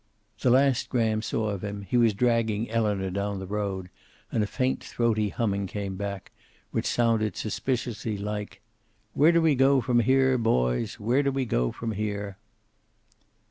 The last Graham saw of him, he was dragging Elinor down the road, and a faint throaty humming came back, which sounded suspiciously like "Where do we go from here, boys? Where do we go from here?"